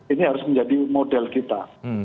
ini harus menjadi model kita